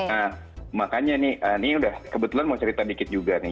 nah makanya nih ini udah kebetulan mau cerita dikit juga nih